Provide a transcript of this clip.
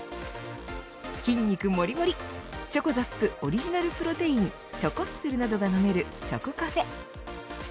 筋肉もりもりｃｈｏｃｏＺＡＰオリジナルプロテインチョコッスルなどが飲めるちょこカフェ。